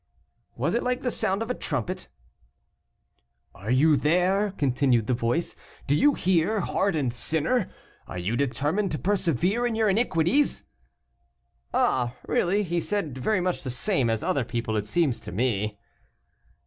"Was it like the sound of a trumpet?" "'Are you there?' continued the voice, 'do you hear, hardened sinner; are you determined to persevere in your iniquities?'" "Ah, really; he said very much the same as other people, it seems to me."